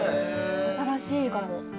新しいかも。